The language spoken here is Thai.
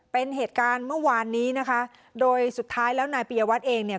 เป็นเหตุการณ์เมื่อวานนี้นะคะโดยสุดท้ายแล้วนายปียวัตรเองเนี่ย